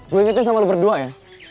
gue ingetin sama lo berdua ya